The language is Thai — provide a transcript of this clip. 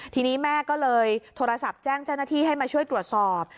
ทีนี้แม่ก็เลยโทรศัพท์แจ้งเจ้าหน้าที่ให้มาช่วยตรวจสอบ